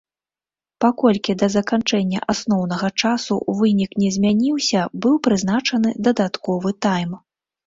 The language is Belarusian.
Паколькі да заканчэння асноўнага часу вынік не змяніўся, быў прызначаны дадатковы тайм.